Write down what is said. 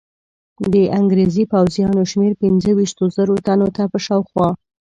د انګرېزي پوځیانو شمېر پنځه ویشتو زرو تنو په شاوخوا.